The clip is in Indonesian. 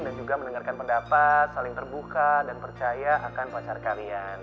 dan juga mendengarkan pendapat saling terbuka dan percaya akan pacar kalian